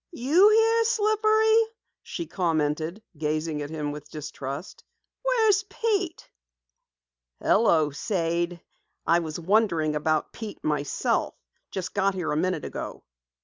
"You here, Slippery?" she commented, gazing at him with distrust. "Where's Pete?" "Hello, Sade. I was wonderin' about Pete myself. Just got here a minute ago."